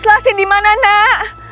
selasi dimana nak